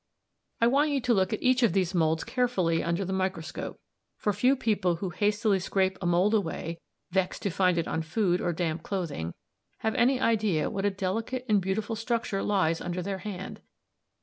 ] "I want you to look at each of these moulds carefully under the microscope, for few people who hastily scrape a mould away, vexed to find it on food or damp clothing, have any idea what a delicate and beautiful structure lies under their hand.